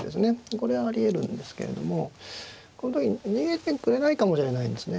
これはありえるんですけれどもこの時に逃げてくれないかもしれないんですね。